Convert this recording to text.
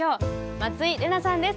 松井玲奈さんです。